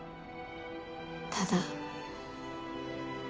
ただ。